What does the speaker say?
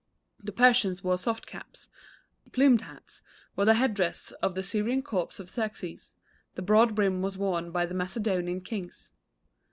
The Persians wore soft caps; plumed hats were the head dress of the Syrian corps of Xerxes; the broad brim was worn by the Macedonian kings.